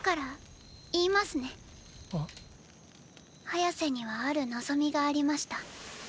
ハヤセにはある望みがありました。